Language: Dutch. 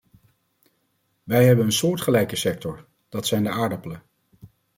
Wij hebben een soortgelijke sector, dat zijn de aardappelen.